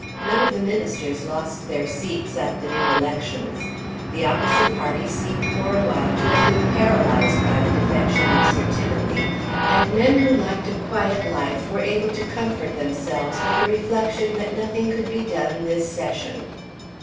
None of the ministers lost their seats at the new elections. The opposite party seemed for a while to have been paralysed by the defection of Sir Timothy, and men who liked a quiet life were able to comfort themselves with the reflection that nothing could be done this Session.